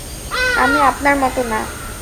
আমি আপনার মতো না।